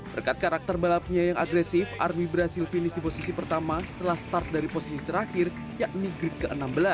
berkat karakter balapnya yang agresif army berhasil finish di posisi pertama setelah start dari posisi terakhir yakni grid ke enam belas